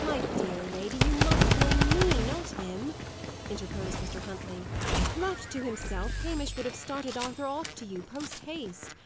"My dear lady, you must blame me, not him," interposed Mr. Huntley. "Left to himself, Hamish would have started Arthur off to you, post haste.